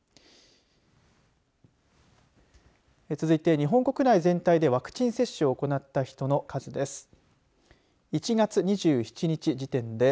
続いて日本国内全体でワクチン接種を行った人の数です。